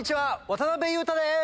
渡辺裕太です。